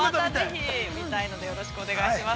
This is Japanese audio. ◆ぜひ見たいので、よろしくお願いします。